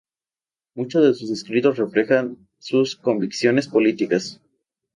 Muchos de sus escritos reflejan sus convicciones políticas.